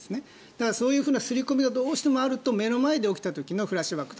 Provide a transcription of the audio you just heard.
だからそういう刷り込みがどうしてもあると目の前で起きた時のフラッシュバック